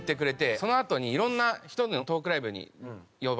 そのあとにいろんな人のトークライブに呼ばれたんですね。